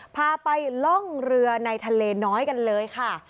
พาไปล่องเรือในทะเลน้อยกันเลยค่ะ